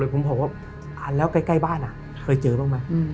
ผมบอกว่าอ่านแล้วใกล้บ้านเคยเจอบ้างไหม